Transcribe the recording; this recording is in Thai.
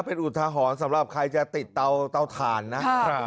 เป็นอุทหรณ์สำหรับใครจะติดเตาถ่านนะครับ